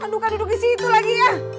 aduh kan duduk disitu lagi